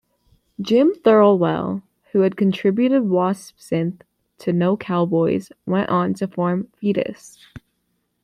Jim Thirlwell, who had contributed Wasp synth to "No-Cowboys", went on to form Foetus.